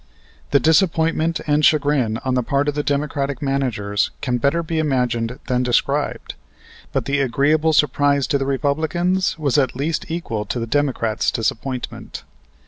The disappointment and chagrin on the part of the Democratic managers can better be imagined than described. But the agreeable surprise to the Republicans was at least equal to the Democrats' disappointment.